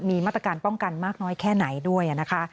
มีมาตรการป้องกันมากน้อยแค่ไหนด้วยนะคะ